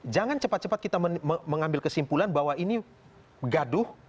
jangan cepat cepat kita mengambil kesimpulan bahwa ini gaduh